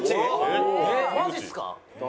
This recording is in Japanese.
マジっすか！